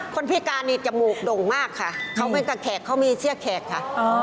พิการนี่จมูกด่งมากค่ะเขาเป็นกับแขกเขามีเสื้อแขกค่ะ